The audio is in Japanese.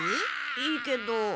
いいけど。